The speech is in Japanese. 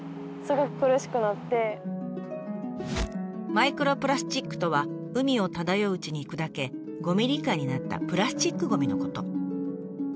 「マイクロプラスチック」とは海を漂ううちに砕け５ｍｍ以下になったプラスチックゴミのこと。